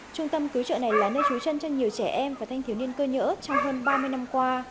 trung tâm cứu trợ này là nơi trú chân cho nhiều trẻ em và thanh thiếu niên cơ nhỡ trong hơn ba mươi năm qua